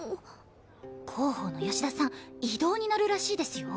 広報の吉田さん異動になるらしいですよ。